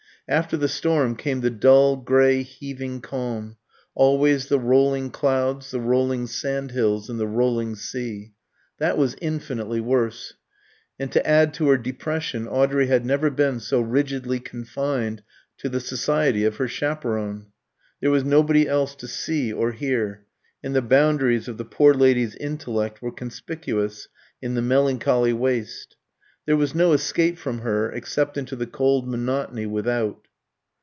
After the storm came the dull, grey, heaving calm, always the rolling clouds, the rolling sand hills, and the rolling sea. That was infinitely worse. And to add to her depression, Audrey had never been so rigidly confined to the society of her chaperon; there was nobody else to see or hear, and the boundaries of the poor lady's intellect were conspicuous in the melancholy waste. There was no escape from her except into the cold monotony without.